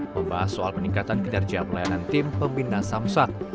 membahas soal peningkatan kinerja pelayanan tim pembina samsat